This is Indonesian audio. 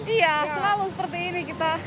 iya selalu seperti ini